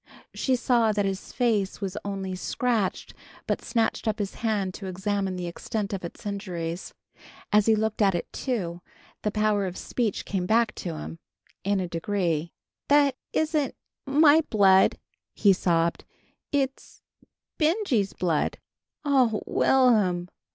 She saw that his face was only scratched, but snatched up his hand to examine the extent of its injuries. As he looked at it too, the power of speech came back to him, in a degree. "That isn't m my b blood!" he sobbed. "It's B Benjy's blood!" "Oh, Will'm!"